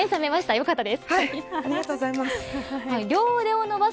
よかったです。